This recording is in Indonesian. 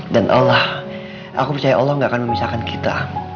dan allah aku percaya allah gak akan memisahkan kita